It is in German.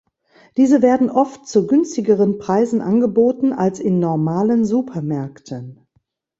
Diese werden oft zu günstigeren Preisen angeboten als in normalen Supermärkten.